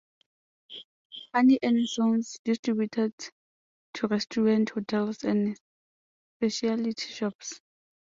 Harney and Sons distributes to restaurants, hotels, and specialty shops.